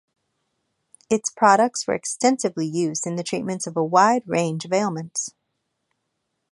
Its products were extensively used in the treatments of a wide range of ailments.